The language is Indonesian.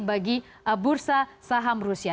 jadi bagi bursa saham rusia